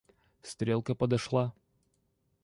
Стрелка подошла.